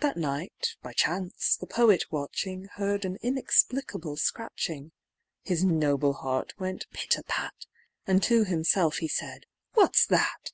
That night, by chance, the poet watching, Heard an inexplicable scratching; His noble heart went pit a pat, And to himself he said "What's that?"